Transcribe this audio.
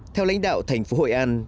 theo lãnh đạo thành phố hội an